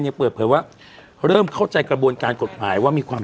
เปิดเผยว่าเริ่มเข้าใจกระบวนการกฎหมายว่ามีความ